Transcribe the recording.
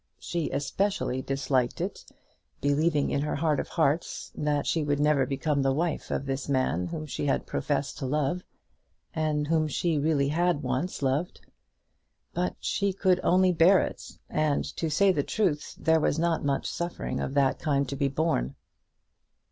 She especially disliked it, believing in her heart of hearts that she would never become the wife of this man whom she had professed to love, and whom she really had once loved. But she could only bear it. And, to say the truth, there was not much suffering of that kind to be borne.